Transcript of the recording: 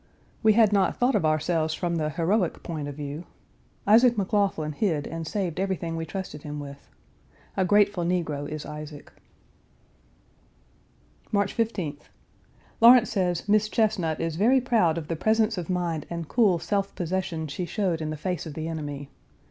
We had not thought of ourselves from the heroic point of view. Isaac McLaughlin hid and saved everything we trusted him with. A grateful negro is Isaac. March 15th. Lawrence says Miss Chesnut is very proud of the presence of mind and cool self possession she showed Page 365 in the face of the enemy.